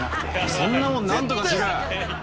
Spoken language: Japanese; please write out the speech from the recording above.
◆そんなもん何とかしろよ！